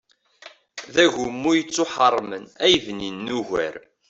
D agummu yettuḥeṛṛmen ay bnin ugar.